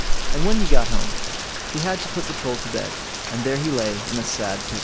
And when he got home, they had to put the Troll to bed, and there he lay in a sad pickle.